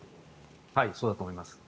そうだと思います。